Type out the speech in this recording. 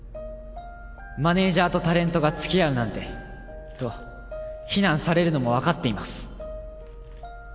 マネージャーとタレントがつきあうなんてと非難されるのもわかっています。